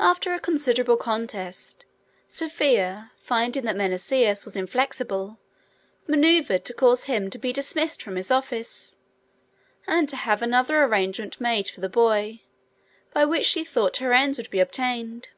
After a considerable contest, Sophia, finding that Menesius was inflexible, manoeuvred to cause him to be dismissed from his office, and to have another arrangement made for the boy, by which she thought her ends would be attained.